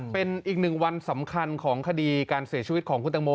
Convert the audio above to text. เป็นอีกหนึ่งวันสำคัญของคดีการเสียชีวิตของคุณตังโม